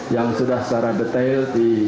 yang sudah secara detail